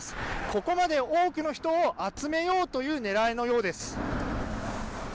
ここまで多くの人を集めようという狙いのようです。